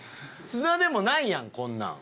菅田でもないやんこんなん。